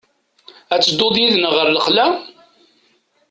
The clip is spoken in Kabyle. Ad tedduḍ yid-neɣ ɣer lexla?